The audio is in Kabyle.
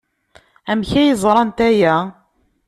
Amek ay ẓrant aya?